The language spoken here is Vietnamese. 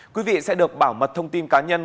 quý vị sẽ được bảo mật thông tin cá nhân